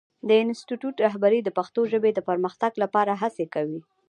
د انسټیټوت رهبري د پښتو ژبې د پرمختګ لپاره هڅې کوي.